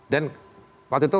dan waktu itu